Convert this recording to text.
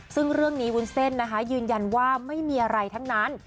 ซึ่งเรื่องนี้วุ้นเส้นนะคะยืนยันว่าไม่มีอะไรทั้งนั้น